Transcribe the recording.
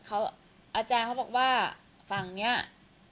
อาจารย์เขาบอกว่าฝั่งนี้